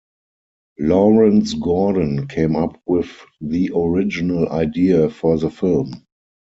Lawrence Gordon came up with the original idea for the film.